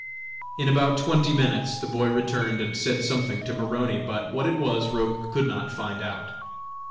In about twenty minutes the boy returned and said something to Maroney, but what it was Roch could not find out.